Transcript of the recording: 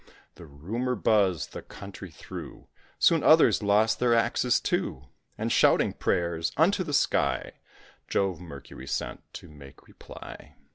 The rumour buzzed the country through, Soon others lost their axes, too; And shouting prayers unto the sky, Jove Mercury sent, to make reply.